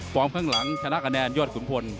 พร้อมข้างหลังชนะกระแนนยอดขุนพล